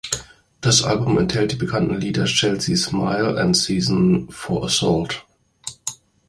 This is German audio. Das Album enthält die bekannten Lieder "Chelsea Smile" und "Season For Assault".